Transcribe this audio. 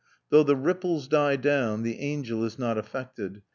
Though the ripples die down, the angel is not affected.